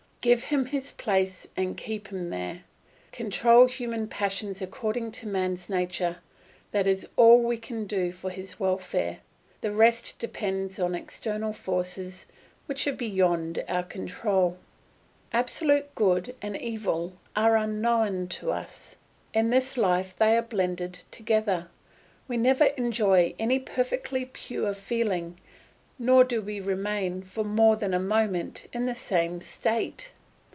Give each his place, and keep him there. Control human passions according to man's nature; that is all we can do for his welfare. The rest depends on external forces, which are beyond our control. Absolute good and evil are unknown to us. In this life they are blended together; we never enjoy any perfectly pure feeling, nor do we remain for more than a moment in the same state.